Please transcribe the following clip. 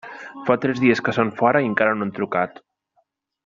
Fa tres dies que són fora i encara no han trucat.